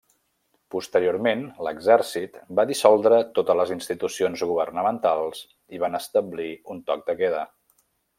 Posteriorment, l'exèrcit va dissoldre totes les institucions governamentals i van establir un toc de queda.